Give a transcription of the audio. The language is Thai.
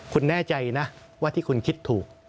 คุณแน่ใจนะว่าที่คุณคิดถูก